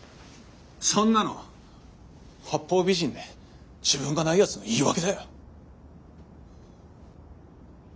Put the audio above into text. そんなの八方美人で自分がないヤツの言い訳だよ！